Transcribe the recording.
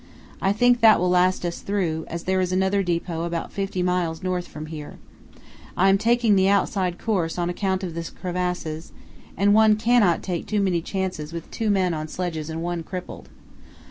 I think that will last us through, as there is another depot about fifty miles north from here; I am taking the outside course on account of the crevasses, and one cannot take too many chances with two men on sledges and one crippled.